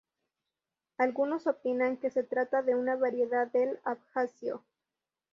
Algunos opinan que se trata de una variedad del abjasio.